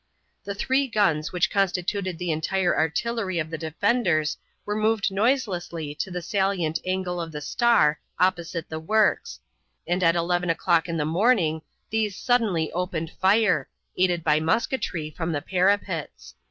The three guns which constituted the entire artillery of the defenders were moved noiselessly to the salient angle of the Star opposite the works, and at eleven o'clock in the morning these suddenly opened fire, aided by musketry from the parapets.